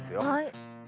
はい。